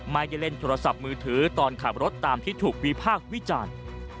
ไม่ได้เล่นโทรศัพท์มือถือตอนขับรถตามที่ถูกวิพากษ์วิจารณ์